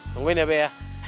tungguin ya be ya